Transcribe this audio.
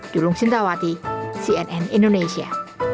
julung sintawati cnn indonesia